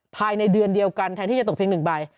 ภายในเดือนเดียวกันแทนที่จะตกเพียง๑ใบ